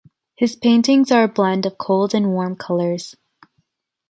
His paintings are a blend of cold and warm colors.